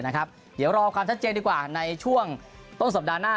เดี๋ยวรอความชัดเจนดีกว่าในช่วงต้นสัปดาห์หน้า